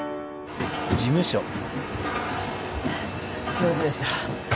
すいませんでした。